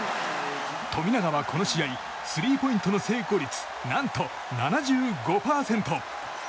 富永は、この試合スリーポイントの成功率何と７５％！